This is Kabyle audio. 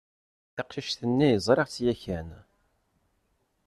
Taqcict-nni ẓriɣ-tt yakan.